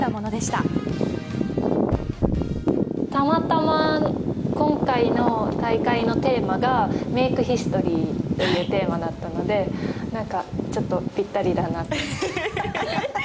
たまたま今回の大会のテーマがメイクヒストリーというテーマだったのでちょっとぴったりだなと。